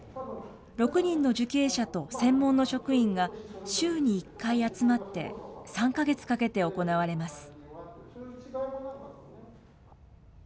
６人の受刑者と専門の職員が、週に１回集まって、３か月かけて行われます。